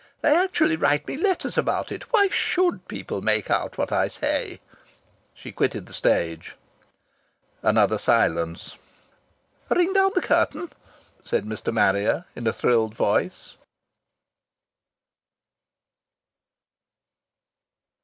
They actually write me letters about it! Why should people make out what I say?" She quitted the stage. Another silence.... "Ring down the curtain," said Mr. Marrier in a thrilled voice.